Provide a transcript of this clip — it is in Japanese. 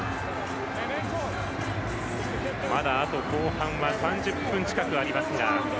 まだ後半はあと３０分近くありますが。